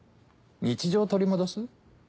日常を取り戻す？